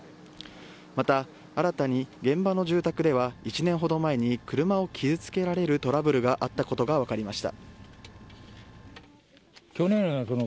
また、新たに現場の住宅では１年ほど前に車を傷つけられるトラブルがあったことが分かりました。